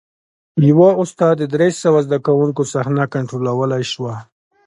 یوه استاد د درې سوه زده کوونکو صحنه کنټرولولی شوه.